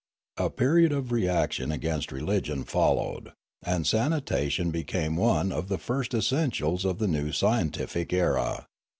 A period of re action against religion followed, and sanitation became one of the first essentials of the new scientific era.